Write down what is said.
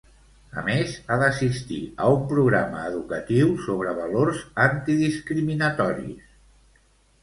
A més, ha d'assistir a un programa educatiu sobre valors antidiscriminatoris.